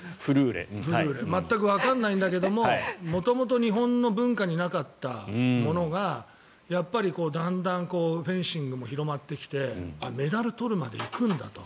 全くわからないんだけど元々日本の文化になかったものがだんだん、フェンシングも広まってきてメダルを取るまで行くんだって。